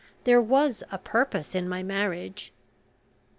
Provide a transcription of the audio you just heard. There was a purpose in my marriage."